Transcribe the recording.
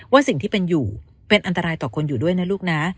ว่าสิ่งที่เป็นอยู่เป็นอันตรายต่อคนอยู่ด้วยนะลูกนะ